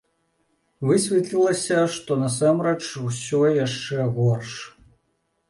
Высветлілася, што насамрэч усё яшчэ горш.